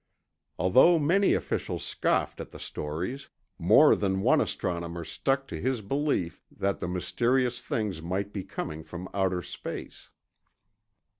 Although many officials scoffed at the stories, more than one astronomer stuck to his belief that the mysterious things might be coming from outer space.